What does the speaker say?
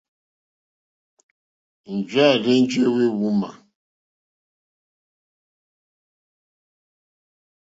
Njɛ̂ à rzênjé èhwùmá.